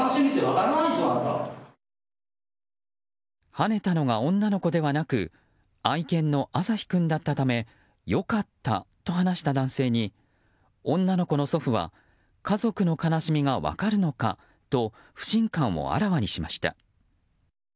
はねたのが女の子ではなく愛犬の朝陽君だったため良かったと話した男性に女の子の祖父は家族の悲しみが分かるのかと不信感をあらわにしました。